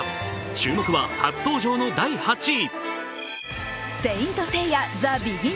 注目は初登場の第８位。